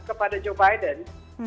kepada joe biden